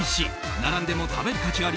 並んでも食べる価値あり